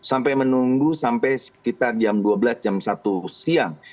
sampai menunggu sampai sekitar jam dua belas jam satu siang